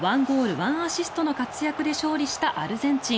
１アシストの活躍で勝利したアルゼンチン。